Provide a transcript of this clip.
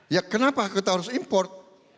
ya kenapa kita harus import